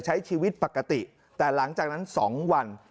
ใช้ชีวิตปกติแต่หลังจากนั้น๒วัน